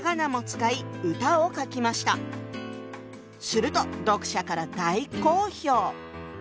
すると読者から大好評！